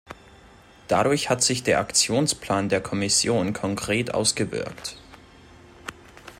Dadurch hat sich der Aktionsplan der Kommission konkret ausgewirkt.